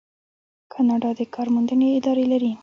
کاناډا د کار موندنې ادارې لري.